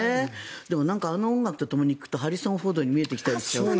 でも、なんかあの音楽とともに聞くとハリソン・フォードに見えてきたりする。